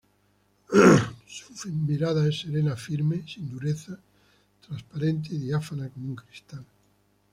Su mirada es serena firme sin dureza, transparente y diáfana como un cristal.